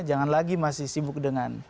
jangan lagi masih sibuk dengan